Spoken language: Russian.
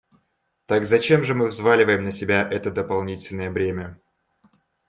Так зачем же мы взваливаем на себя это дополнительное бремя?